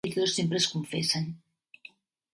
Aquests dos sempre es confessen.